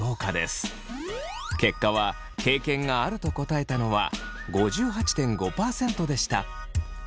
結果は経験があると答えたのは５８．５％でした。